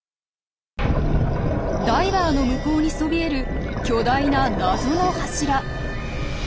ダイバーの向こうにそびえる巨大な謎の柱！